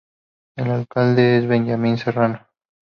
El alcalde es Benjamin Serrano.